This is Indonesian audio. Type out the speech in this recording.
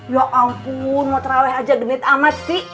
ya ampun mau teralih aja genit amat sih